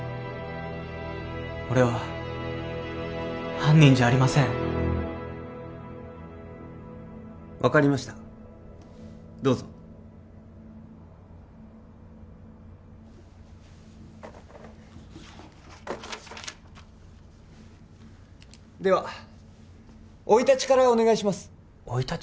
俺は犯人じゃありません分かりましたどうぞでは生い立ちからお願いします生い立ち？